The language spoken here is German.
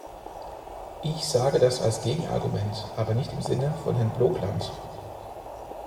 Ich sage das als Gegenargument, aber nicht im Sinne von Herrn Blokland.